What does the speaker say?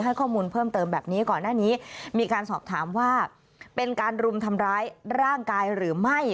ให้ข้อมูลเพิ่มเติมแบบนี้ก่อนหน้านี้มีการสอบถามว่าเป็นการรุมทำร้ายร่างกายหรือไม่